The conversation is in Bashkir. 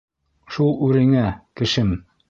Шул үреңә, кешем!